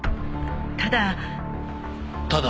ただ。